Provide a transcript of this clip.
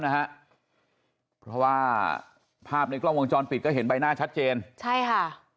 นะฮะเพราะว่าภาพในกล้องวงจรปิดก็เห็นใบหน้าชัดเจนใช่ค่ะ